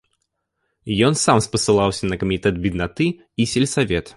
Ён сам спасылаўся на камітэт беднаты і сельсавет.